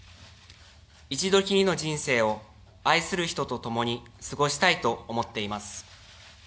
一度きりの人生を愛する人とともに過ごしたいと思っております。